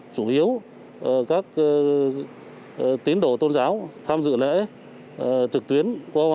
chủ yếu các tiến đổi tôn giáo tham dự lễ trực tuyến